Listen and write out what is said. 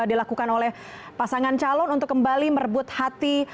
apakah ini yang dilakukan oleh pasangan calon untuk kembali merebut hati